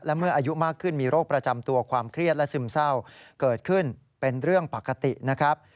และเมื่ออายุมากขึ้นมีโรคประจำตัวความเครียดและซึมเศร้าเกิดขึ้นเป็นเรื่องปกตินะครับ